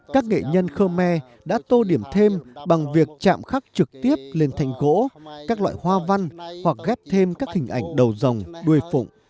các nghệ nhân khơ me đã tô điểm thêm bằng việc chạm khắc trực tiếp lên thanh gỗ các loại hoa văn hoặc ghép thêm các hình ảnh đầu dòng đuôi phụ